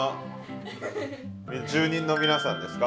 住人の皆さんですか？